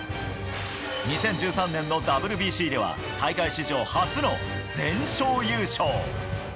２０１３年のＷＢＣでは大会史上初の全勝優勝。